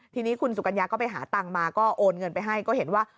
ทีนี้คุณสุกัญญาก็ไปหาตังค์มาก็โอนเงินไปให้ก็เห็นว่า